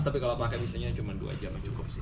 tapi kalau pakai misalnya cuma dua jam cukup sih